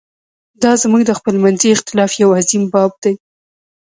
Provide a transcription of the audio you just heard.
دا زموږ د خپلمنځي اختلاف یو عظیم باب دی.